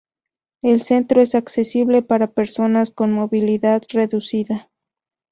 El Centro es accesible para personas con movilidad reducida.